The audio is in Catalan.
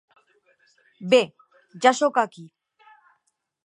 Bé, ja soc aquí.